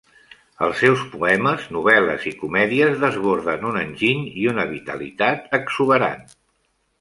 Els seus poemes, novel·les i comèdies desborden un enginy i una vitalitat exuberant.